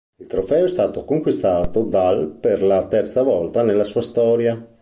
Il trofeo è stato conquistato dal per la terza volta nella sua storia.